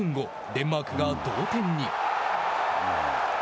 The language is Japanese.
デンマークが同点に。